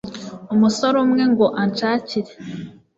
umusore umwe ngo anshakire